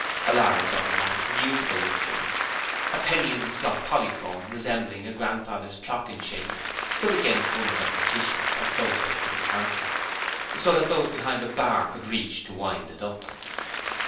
A large automatic musical instrument a 'penny in the slot' polyphone resembling a grandfather's clock in shape stood against one of the partitions and close up to the counter, so that those behind the bar could reach to wind it up.